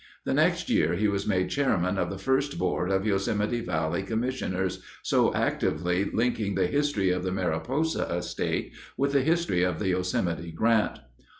The next year he was made chairman of the first board of Yosemite Valley commissioners, so actively linking the history of the Mariposa estate with the history of the Yosemite Grant.